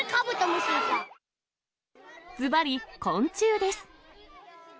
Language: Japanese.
ずばり、昆虫です。